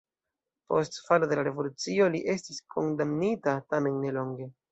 Post falo de la revolucio li estis kondamnita, tamen ne longe.